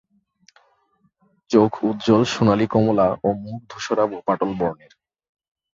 চোখ উজ্জ্বল সোনালি-কমলা ও মুখ ধুসরাভ-পাটল বর্ণের।